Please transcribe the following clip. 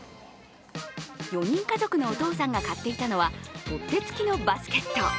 ４人家族のお父さんが買っていたのは取っ手付きのバスケット。